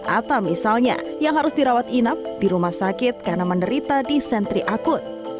atau misalnya yang harus dirawat inap di rumah sakit karena menderita di sentri akut